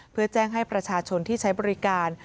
เพื่อแจ้งให้ประชาชนที่ใช้บริการ